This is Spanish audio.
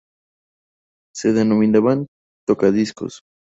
Se denominaban tocadiscos.